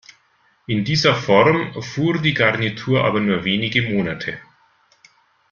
In dieser Form fuhr die Garnitur aber nur wenige Monate.